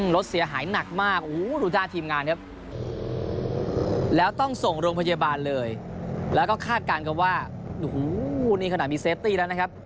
รถเสียหายหนักมากโอ้โหดูหน้าทีมงานครับแล้วต้องส่งโรงพยาบาลเลยแล้วก็คาดการณ์กันว่าโอ้โหนี่ขนาดมีเซฟตี้แล้วนะครับ